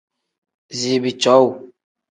Ziibi cowuu.